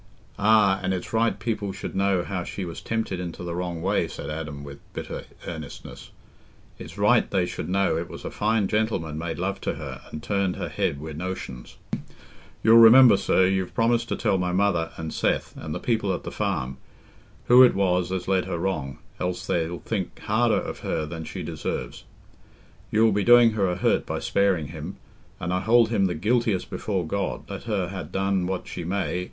"Ah, and it's right people should know how she was tempted into the wrong way," said Adam, with bitter earnestness. "It's right they should know it was a fine gentleman made love to her, and turned her head wi' notions. You'll remember, sir, you've promised to tell my mother, and Seth, and the people at the farm, who it was as led her wrong, else they'll think harder of her than she deserves. You'll be doing her a hurt by sparing him, and I hold him the guiltiest before God, let her ha' done what she may.